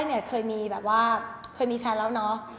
อย่างน้อยเพราะว่าตอนแรกเนี่ยเคยมีแฟนแล้วเนาะ